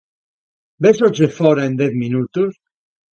Véxoche fóra en dez minutos?